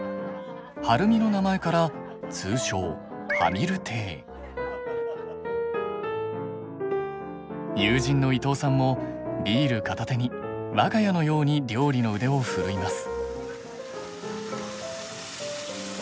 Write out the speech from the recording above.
春美の名前から通称友人の伊藤さんもビール片手に我が家のように料理の腕を振るいます。